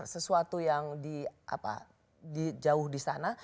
sesuatu yang jauh di sana